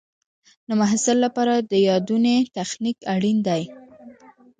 د محصل لپاره د یادونې تخنیک اړین دی.